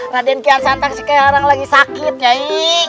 raden kian santang sekarang lagi sakit yai